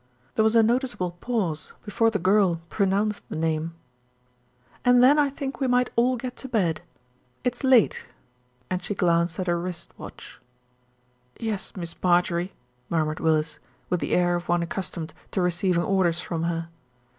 There was a noticeable pause before the girl pronounced the name, "and then I think we might all get to bed. It's late," and she glanced at her wrist watch. "Yes, Miss Marjorie," murmured Willis, with the air of one accustomed to receiving orders from her.